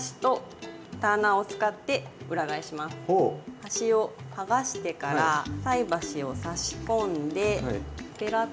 端を剥がしてから菜箸を差し込んでペラッ。